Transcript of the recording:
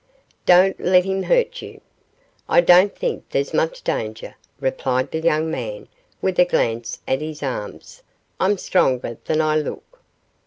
'Don't let him hurt you.' 'I don't think there's much danger,' replied the young man, with a glance at his arms, 'I'm stronger than I look.